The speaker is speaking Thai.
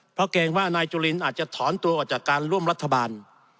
เพราะเกรงว่านายจุลินอาจจะถอนตัวออกจากการร่วมรัฐบาล